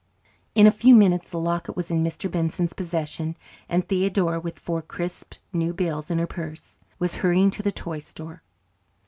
In a few minutes the locket was in Mr. Benson's possession, and Theodora, with four crisp new bills in her purse, was hurrying to the toy store.